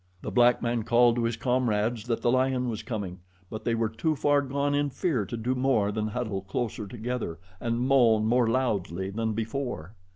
The black man called to his comrades that the lion was coming, but they were too far gone in fear to do more than huddle closer together and moan more loudly than before.